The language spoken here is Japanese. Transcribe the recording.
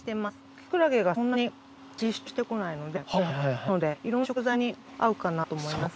キクラゲがそんなに味主張してこないのでなのでいろんな食材に合うかなと思います。